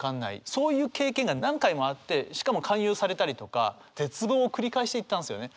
そういう経験が何回もあってしかも勧誘されたりとか絶望を繰り返していったんですよね。